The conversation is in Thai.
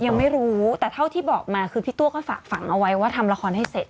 ยังไม่รู้แต่เท่าที่บอกมาคือพี่ตัวก็ฝากฝังเอาไว้ว่าทำละครให้เสร็จ